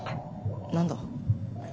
何だ？